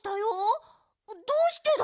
どうしてだろう？